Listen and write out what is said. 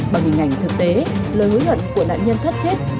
bằng hình ảnh thực tế lời hối hận của nạn nhân thoát chết